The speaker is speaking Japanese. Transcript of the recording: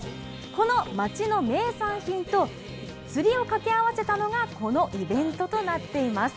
この町の名産品と釣りをかけあわせたのがこのイベントとなっています。